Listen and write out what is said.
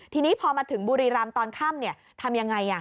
ทีนี้พอมาถึงบุรีรำตอนค่ำทำยังไง